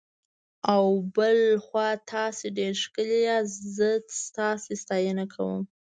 او بل خوا تاسي ډېر ښکلي یاست، زه ستاسي ستاینه کوم.